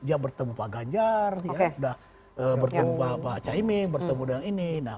dia bertemu pak ganjar bertemu pak caiming bertemu dengan ini